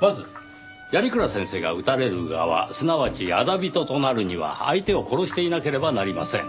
まず鑓鞍先生が討たれる側すなわち仇人となるには相手を殺していなければなりません。